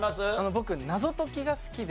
僕謎解きが好きで。